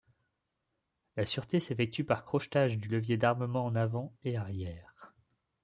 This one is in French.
La sûreté s'effectue par crochetage du levier d'armement en avant et arrière.